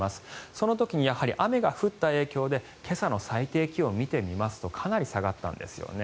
その時に雨が降った影響で今朝の最低気温を見てみますとかなり下がったんですよね。